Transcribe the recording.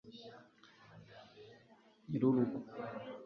nyir'urugo